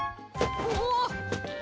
うわっ！